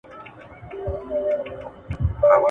زه اوبه ورکړي دي